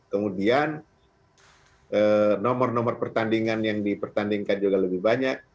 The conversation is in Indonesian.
kemudian nomor nomor pertandingan yang dipertandingkan juga lebih banyak